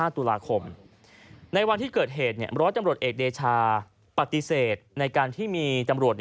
ตุลาคมในวันที่เกิดเหตุร้อยจำรวจเอกเดชาปฏิเสธในการที่มีตำรวจ